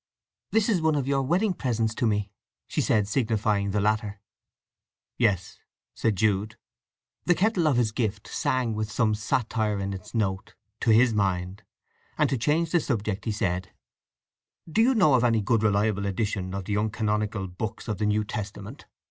"This is one of your wedding presents to me," she said, signifying the latter. "Yes," said Jude. The kettle of his gift sang with some satire in its note, to his mind; and to change the subject he said, "Do you know of any good readable edition of the uncanonical books of the New Testament?